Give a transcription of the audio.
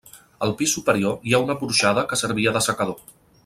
Al pis superior hi ha una porxada que servia d'assecador.